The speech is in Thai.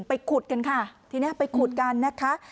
ไปขุดกันค่ะทีนี้ไปขุดกันนะคะ